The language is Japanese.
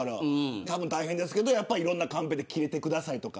大変ですけどいろんなカンペできれてくださいとか。